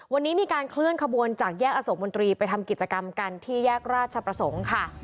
วันนี้มีการเคลื่อนขบวนจากแยกอโศกมนตรีไปทำกิจกรรมกันที่แยกราชประสงค์ค่ะ